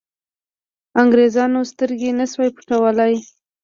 انګرېزانو سترګې نه شوای پټولای.